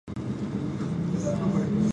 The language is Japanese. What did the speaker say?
青森県外ヶ浜町